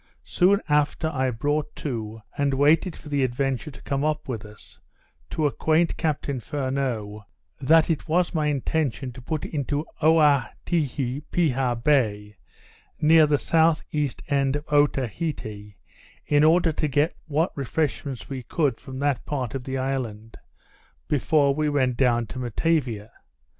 Soon after I brought to, and waited for the Adventure to come up with us, to acquaint Captain Furneaux that it was my intention to put into Oaiti piha Bay, near the south east end of Otaheite, in order to get what refreshments we could from that part of the island, before we went down to Matavia.